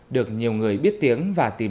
được nhiều người biết tiếng